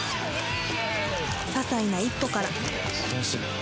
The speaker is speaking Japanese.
ささいな一歩から